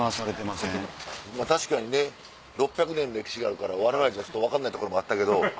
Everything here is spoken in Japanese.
まぁ確かにね６００年歴史があるからわれわれじゃちょっと分かんないところもあったけど。